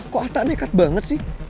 kok ata nekat banget sih